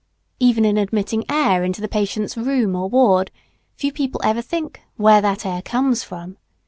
Even in admitting air into the patient's room or ward, few people ever think, where that air comes from.